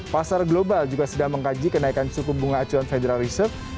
pasar global juga sedang mengkaji kenaikan suku bunga acuan federal reserve